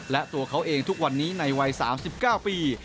และตัวเขาเองทุกวันนี้ในวัย๓๙ปี